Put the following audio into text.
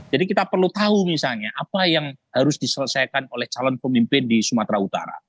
jadi kita perlu tahu misalnya apa yang harus diselesaikan oleh calon pemimpin di sumatera utara